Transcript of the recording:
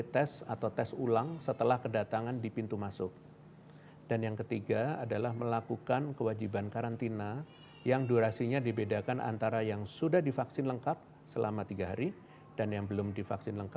tes ulang sebelumnya dinyatakan negatif